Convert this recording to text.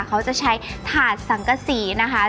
เขาจะใช้ถาดสังกษีนะคะ